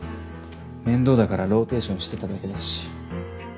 面倒だからローテーションしてただけだし。